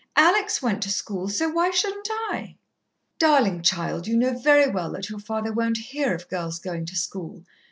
"Alex went to school, so why shouldn't I?" "Darlin' child, you know very well that your father won't hear of girls goin' to school.